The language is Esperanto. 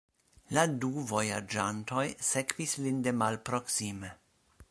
La du vojaĝantoj sekvis lin de malproksime.